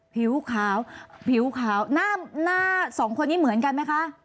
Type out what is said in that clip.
ผิวขาวผิวขาวหน้าสองคนนี้เหมือนกันไหมคะ